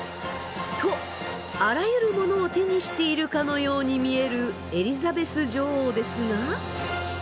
とあらゆるものを手にしているかのように見えるエリザベス女王ですが。